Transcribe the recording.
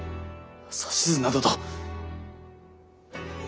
指図などと。